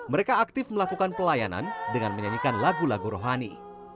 mereka aktif melakukan pelayanan dengan menyanyikan lagu lagu rohani